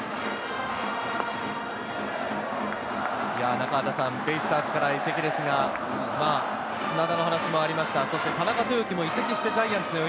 中畑さん、ベイスターズから移籍ですが、砂田の話もありました。